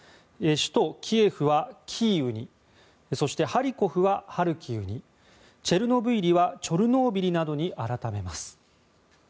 首都キエフはキーウにそして、ハリコフはハルキウにチェルノブイリはチョルノービリなどに改めます。